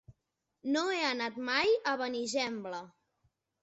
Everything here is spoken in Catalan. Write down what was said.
No he anat mai a Benigembla.